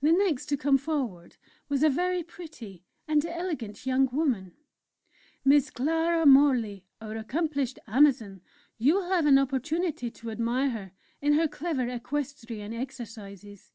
The next to come forward was a very pretty and elegant young woman: "Miss Clara Morley, our accomplished 'Amazon' you will have an opportunity to admire her in her clever equestrian exercises."